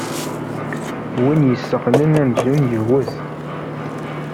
Win yesseɣlen amzun yewwet.